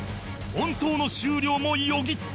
本当の終了もよぎった